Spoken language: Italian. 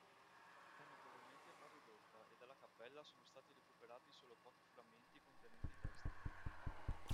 È notevolmente malridotta e dalla cappella sono stati recuperati solo pochi frammenti contenenti testi.